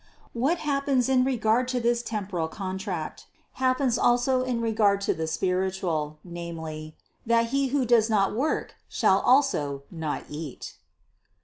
What happens in regard to this temporal contract, happens also in regard to the spiritual, namely, that he who does not work shall also not eat.